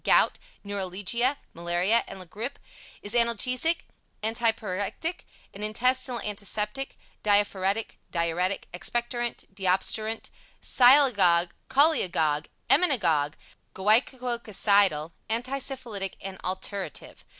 Gout, Neuralgia, Malaria and La Grippe; is analgesic, antipyrectic, an intestinal antiseptic, diaphoretic, diuretic, expectorant, deobstruent, sialagogue, cholagogue, emmenagogue, gouocococidal, anti syphilitic and alterative.